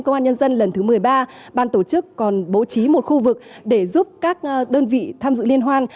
công an nhân dân lần thứ một mươi ba ban tổ chức còn bố trí một khu vực để giúp các đơn vị tham dự liên hoan